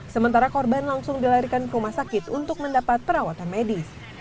sementara korban langsung dilarikan ke rumah sakit untuk mendapat perawatan medis